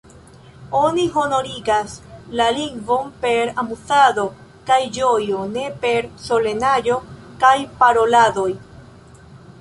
Oni honorigas la lingvon per amuzado kaj ĝojo, ne per solenaĵo kaj paroladoj.